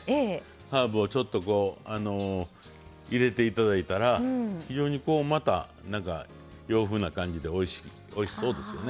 ハーブをちょっとこう入れて頂いたら非常にこうまた洋風な感じでおいしそうですよね。